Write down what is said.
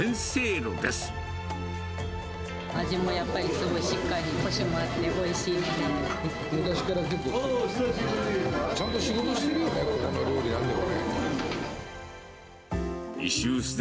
味もやっぱりすごいしっかり、こしもあっておいしいので。